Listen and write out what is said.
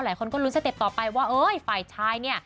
หลายคนก็ลุ้นสเต็ปต่อไปว่าเอ้ยฝ่ายชายเนี่ย